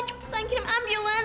cepetan kirim ambulan